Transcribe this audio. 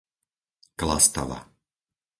Klastava